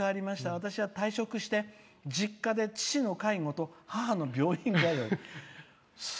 私は退職して実家で父の介護と母の病院通い」。